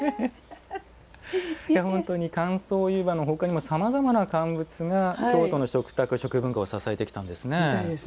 本当に乾燥湯葉のほかにもさまざまな乾物が京都の食卓みたいですね。